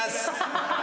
ハハハ！